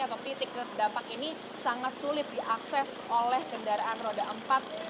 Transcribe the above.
atau titik terdampak ini sangat sulit diakses oleh kendaraan roda empat